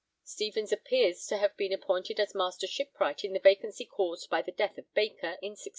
Stevens appears to have been appointed as Master Shipwright in the vacancy caused by the death of Baker in 1613.